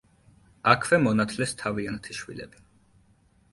აქვე მონათლეს თავიანთი შვილები.